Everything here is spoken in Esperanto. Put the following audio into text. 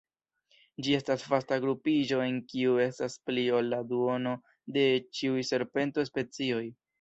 Ĝi estas vasta grupiĝo en kiu estas pli ol la duono de ĉiuj serpento-specioj.